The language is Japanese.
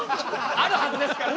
あるはずですからね。